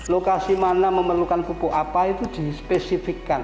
lokasi mana memerlukan pupuk apa itu dispesifikan